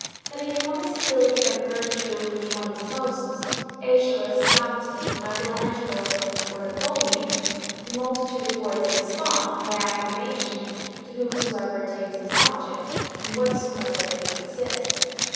That enormous ability by virtue of which one is Moses, Æschylus, Dante, Michael Angelo, or Napoleon, the multitude awards on the spot, and by acclamation, to whomsoever attains his object, in whatsoever it may consist.